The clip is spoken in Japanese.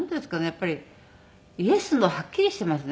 やっぱりイエスノーはっきりしていますね。